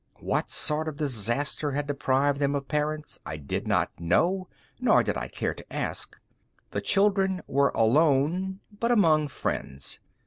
What sort of disaster had deprived them of parents, I did not know, nor did I care to ask. The children were alone, but among friends.